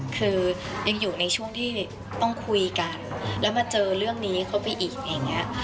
คือยังอยู่ในช่วงที่ต้องคุยกันแล้วมาเจอเรื่องนี้เข้าไปอีกอะไรอย่างนี้